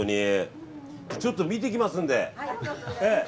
ちょっと見てきますので。